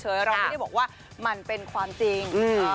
เราไม่ได้บอกว่ามันเป็นความจริง